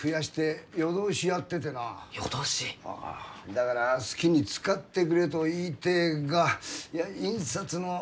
だから好きに使ってくれと言いてえがいや印刷の空きが。